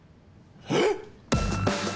えっ！？